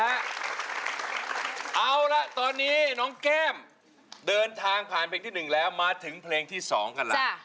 เอาละตอนนี้น้องแก้มเดินทางผ่านเพลงที่๑แล้วมาถึงเพลงที่๒กันแล้ว